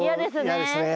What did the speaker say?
嫌ですね